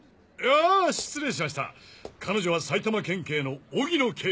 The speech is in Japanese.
あ失礼しました彼女は埼玉県警の荻野警部。